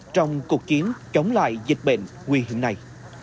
trong cuộc chiến chống lại dịch bệnh nguy hiểm này